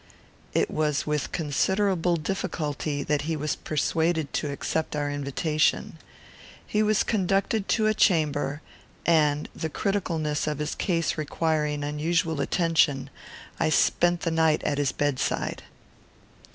It was with considerable difficulty that he was persuaded to accept our invitation. He was conducted to a chamber, and, the criticalness of his case requiring unusual attention, I spent the night at his bedside.